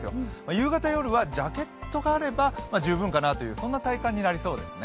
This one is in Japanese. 夕方、夜はジャケットがあれば十分かなという体感になりそうですね。